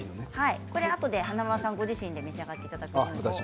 これあとで華丸さんご自身で召し上がっていただきます。